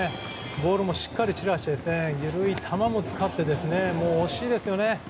ボールもしっかり散らして緩い球も使って惜しいですよね。